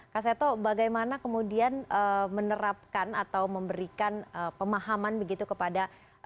kak seto bagaimana kemudian menerapkan atau memberikan pemahaman begitu kepada